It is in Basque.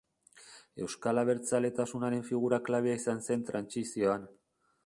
Euskal abertzaletasunaren figura klabea izan zen trantsizioan.